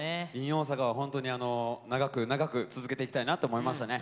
「ｉｎ大阪」はホントに長く長く続けていきたいなと思いましたね。